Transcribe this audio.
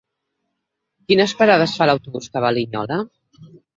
Quines parades fa l'autobús que va a Linyola?